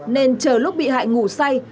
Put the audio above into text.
nên chờ lúc bị hại ngủ say